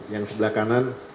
yang sebelah kanan